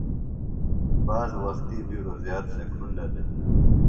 بعض وقتی بِیڈوۡ زیات سےۡ کُھنڈہ دےۡ۔